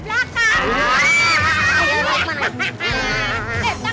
mereka bisa diterima patung jadung sandra